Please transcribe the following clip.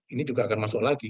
ini juga akan masuk lagi